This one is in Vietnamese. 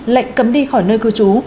lệnh cấm đi khỏi nơi cư trú